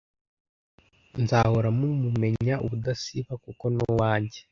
nzahora mumumenya ubudasiba kuko ni uwanjye